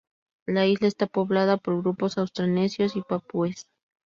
La isla está poblada por grupos austronesios y papúes.